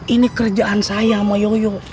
ini kerjaan saya moyo yoyo